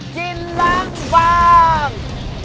กินล้างบาง